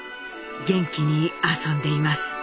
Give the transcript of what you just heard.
元気に遊んでいます。